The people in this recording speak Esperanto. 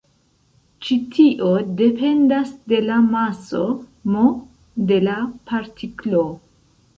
Ĉi tio dependas de la maso "m" de la partiklo.